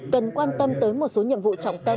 cần quan tâm tới một số nhiệm vụ trọng tâm